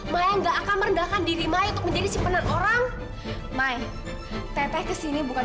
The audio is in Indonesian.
maya nggak akan merendahkan diri maya untuk menjadi simpenan orang mai teteh kesini bukan